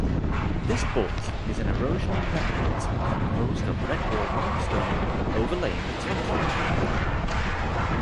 This butte is an erosional remnant composed of Redwall Limestone overlaying the Tonto Group.